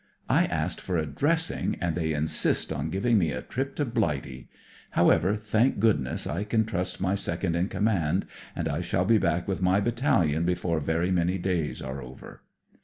"I asked for a dressing, and they insist on giving me a trip to BUghty. However, thank goodness, I can trust my Second in Command, and I shall be back with my Battalion before very many days are over."